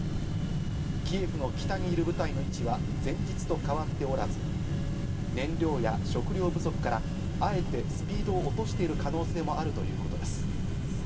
キエフの北にいる部隊の位置は前日と変わっておらず、燃料や食料不足から、あえてスピードを落としている可能性もあるということです。